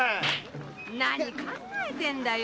何を考えてんだよ